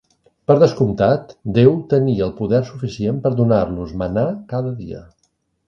Per descomptat, Déu tenia el poder suficient per donar-los mannà cada dia.